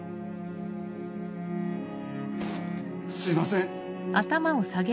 すいません！